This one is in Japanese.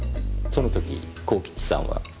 そのとき幸吉さんは？